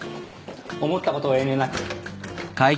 思ったことを遠慮なく。